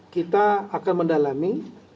kita akan mendalami